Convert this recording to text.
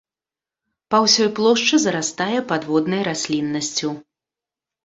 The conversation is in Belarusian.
Па ўсёй плошчы зарастае падводнай расліннасцю.